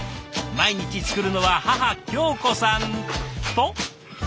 毎日作るのは母恭子さんと。